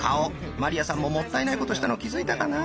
鞠杏さんももったいないことしたの気付いたかな。